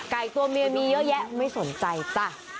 ตัวเมียมีเยอะแยะไม่สนใจจ้ะ